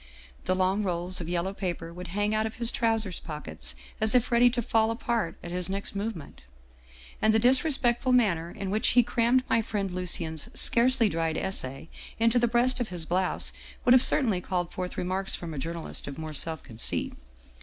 The long rolls of yellow paper would hang out of his trousers pockets as if ready to fall apart at his next movement. And the disre spectful manner in which he crammed my friend Lucien's scarcely dried essay into the breast of his blouse would have certainly called forth remarks from a journalist of more self conceit.